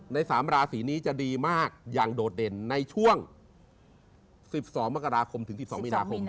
๓ราศีนี้จะดีมากอย่างโดดเด่นในช่วง๑๒มกราคมถึง๑๒มีนาคม